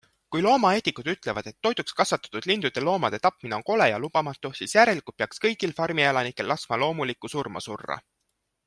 Kui loomaeetikud ütlevad, et toiduks kasvatatud lindude-loomade tapmine on kole ja lubamatu, siis järelikult peaks kõigil farmielanikel laskma loomulikku surma surra.